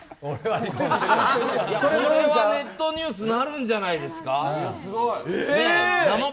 これはネットニュースになるんじゃないですか？